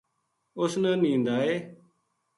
اس نا نیند آئے‘‘